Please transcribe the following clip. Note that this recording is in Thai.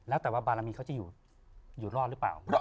แล้วแต่ว่าบารมีเขาจะอยู่รอดหรือเปล่า